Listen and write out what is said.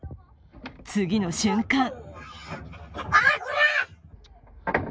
次の瞬間